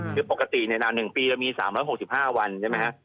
คือปกตินานหนึ่งปีเรามี๓๖๕วันใช่ไหมครับ